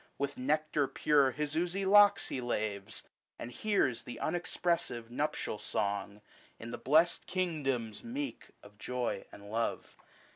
25> With nectar pure his oozy locks he luves, And hears the unexpressive nuptial song, In the blest kingdoms meek of joy and love.